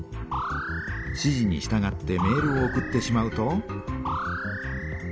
指じにしたがってメールを送ってしまうと。